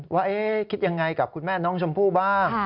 ว่าคิดยังไงกับคุณแม่น้องชมพู่บ้าง